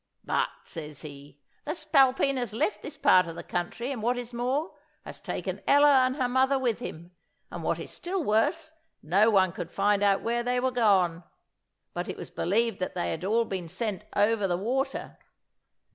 `But,' says he, `the spalpeen has left this part of the country, and, what is more, has taken Ella and her mother with him; and, what is still worse, no one could find out where they were gone; but it was believed that they had all been sent over the water.'